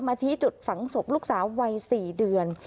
ชี้จุดฝังศพลูกสาววัย๔เดือน